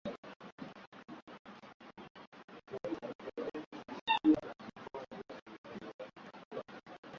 Dua Lipa Little Mix Coldplay One Direction Ellie Goulding Tinie Tempah Dizzee